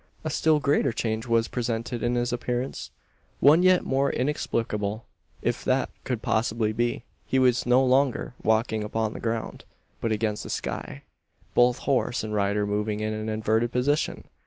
A still greater change was presented in his appearance; one yet more inexplicable, if that could possibly be. He was no longer walking upon the ground, but against the sky; both horse and rider moving in an inverted position!